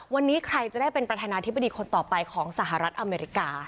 วันนี้ใครจะได้เป็นประธานาธิบดีคนต่อไปของสหรัฐอเมริกา